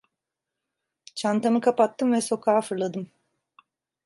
Çantamı kapattım ve sokağa fırladım.